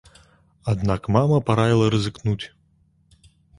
Аднак мама параіла рызыкнуць.